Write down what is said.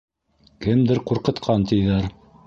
Кемдер ҡурҡытҡан тиҙәр.